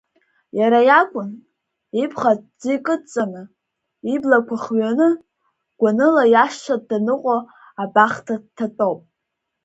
Иара иакәын, ибӷа аҭӡы икыдҵаны, иблақәа хҩаны, гәаныла иашҭа дҭаныҟәо абахҭа дҭатәоуп.